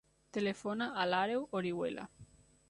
Telefona a l'Àreu Orihuela.